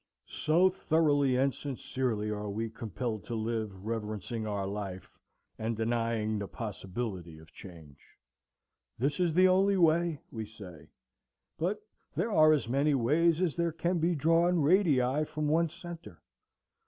So thoroughly and sincerely are we compelled to live, reverencing our life, and denying the possibility of change. This is the only way, we say; but there are as many ways as there can be drawn radii from one centre.